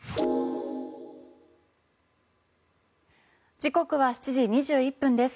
時刻は７時２１分です。